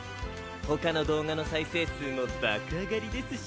ほかの動画の再生数も爆上がりですし。